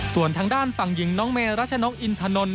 ส่วนทางด้านฝั่งหญิงน้องเมรัชนกอินทนนท